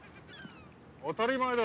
当たり前だ。